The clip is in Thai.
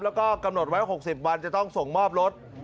แล้วก็กำหนดไว้๖๐วันจะต้องส่งมอบรถ